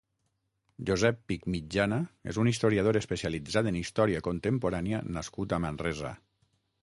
Josep Pich Mitjana és un historiador especialitzat en Història Contemporània nascut a Manresa.